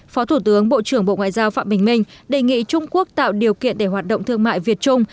phó thủ tướng bộ trưởng bộ ngoại giao phạm bình minh đề nghị trung quốc tạo điều kiện để hoạt động thương mại việt trung